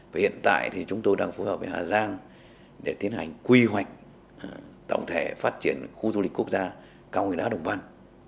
và hiện tại thì chúng tôi đang phối hợp với hà giang để tiến hành quy hoạch tổng thể phát triển khu du lịch quốc gia cao nguyên đá đồng văn